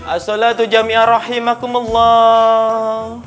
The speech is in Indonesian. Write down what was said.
as salatu jamia rahimahkumullah